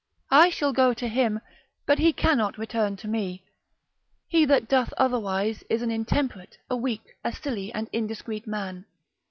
I shall go to him, but he cannot return to me. He that doth otherwise is an intemperate, a weak, a silly, and indiscreet man.